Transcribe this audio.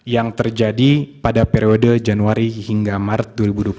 yang terjadi pada periode januari hingga maret dua ribu dua puluh